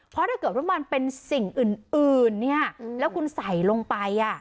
เพราะถ้าเกิดมันเป็นสิ่งอื่นอื่นนี่ฮะแล้วคุณใส่ลงไปอ่ะ